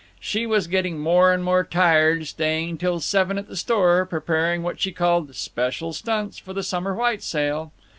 She was getting more and more tired, staying till seven at the store, preparing what she called "special stunts" for the summer white sale.